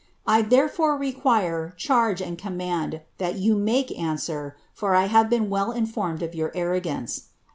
1 therefore require, cliarao. and command, tha: you □ anau cr, for I have boen well informed of your arrogance.